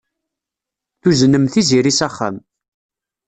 Tuznem Tiziri s axxam.